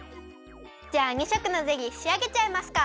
じゃあ２色のゼリーしあげちゃいますか。